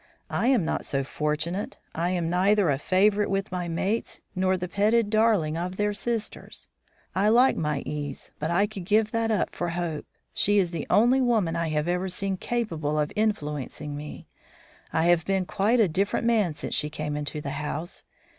I am not so fortunate; I am neither a favourite with my mates nor the petted darling of their sisters; I like my ease, but I could give that up for Hope. She is the only woman I have ever seen capable of influencing me. I have been quite a different man since she came into the house.